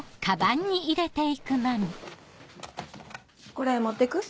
これ持ってく？